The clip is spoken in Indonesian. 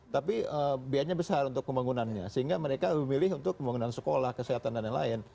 tapi biayanya besar untuk pembangunannya sehingga mereka memilih untuk pembangunan sekolah kesehatan dan lain lain